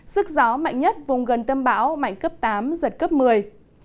sức gió mạnh nhất vùng gần tâm áp thấp nhiệt đới mạnh cấp tám cấp một mươi